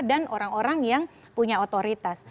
dan orang orang yang punya otoritas